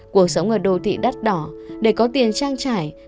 cuộc sống ở đô thị đắt đỏ để có tiền trang trải